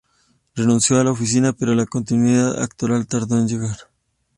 Renunció a la oficina, pero la continuidad actoral tardó en llegar.